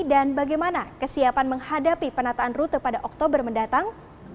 dan bagaimana kesiapan menghadapi penataan rute pada oktober mendatang